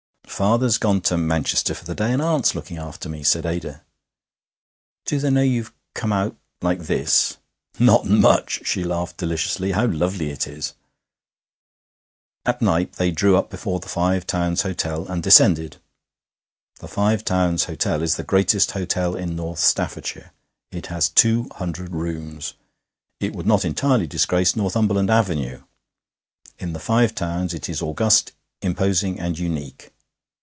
'Father's gone to Manchester for the day, and aunt's looking after me,' said Ada. 'Do they know you've come out like this?' 'Not much!' She laughed deliciously. 'How lovely it is!' At Knype they drew up before the Five Towns Hotel and descended. The Five Towns Hotel is the greatest hotel in North Staffordshire. It has two hundred rooms. It would not entirely disgrace Northumberland Avenue. In the Five Towns it is august, imposing, and unique.